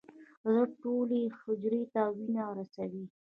زړه ټولې حجرې ته وینه رسوي.